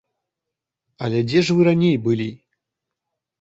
Але дзе ж вы раней былі?